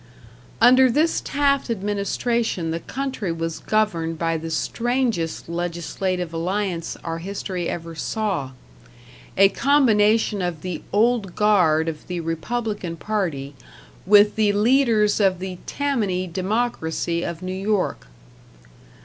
Under this Taft administration the country was governed by the strangest legislative alliance our history ever saw; a combination of the Old Guard of the Republican Party with the leaders of the Tammany Democracy of New York.